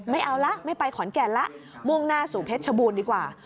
ไม่เอาละไม่ไปขอนแก่นละมุ่งหน้าสู่เพชรชบูรณ์ดีกว่า